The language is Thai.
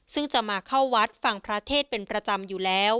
ซึ่งจะมาเข้าวัดฟังพระเทศเป็นประจำอยู่แล้ว